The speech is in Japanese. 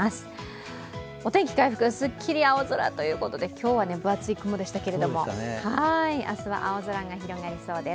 お天気回復、すっきり青空ということで、今日は分厚い雲でしたけれども明日は青空が広がりそうです。